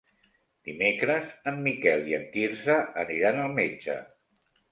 Dimecres en Miquel i en Quirze aniran al metge.